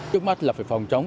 trước mắt là phải phòng chống